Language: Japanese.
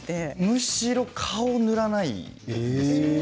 むしろ顔は塗らないです。